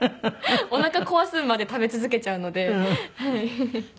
おなか壊すまで食べ続けちゃうのではい。